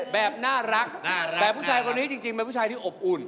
แบบน่ารักแต่ผู้ชายคนนี้จริงเป็นผู้ชายที่อบอุ่น